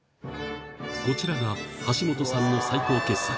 こちらが橋本さんの最高傑作